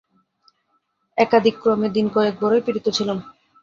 একাদিক্রমে দিনকয়েক বড়ই পীড়িত ছিলাম।